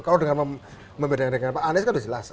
kalau dengan membedakan dengan pak anies kan sudah jelas